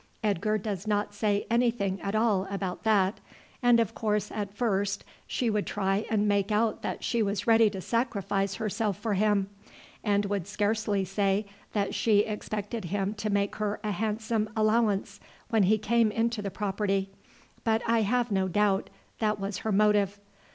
Edgar does not say anything at all about that; and of course at first she would try and make out that she was ready to sacrifice herself for him, and would scarcely say that she expected him to make her a handsome allowance when he came into the property, but I have no doubt that was her motive.